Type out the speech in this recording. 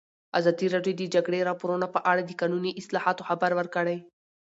ازادي راډیو د د جګړې راپورونه په اړه د قانوني اصلاحاتو خبر ورکړی.